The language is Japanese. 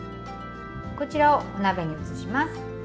こちらをお鍋に移します。